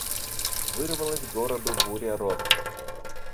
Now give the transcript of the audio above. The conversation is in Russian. Вырвалась городу буря рот.